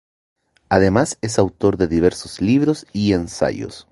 Además es autor de diversos libros y ensayos.